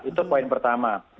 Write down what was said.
itu poin pertama